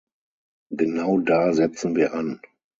Genau da setzen wir an.